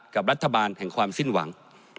กับรัฐบาลแห่งความสิ้นหวัง